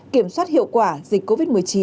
kiểm soát hiệu quả dịch covid một mươi chín